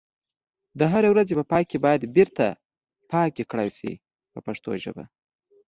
د هرې ورځې په پای کې باید بیرته پاکي کړای شي په پښتو ژبه.